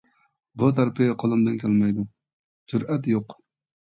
بۇ تەرىپى قولۇمدىن كەلمەيدۇ : جۈرئەت يوق.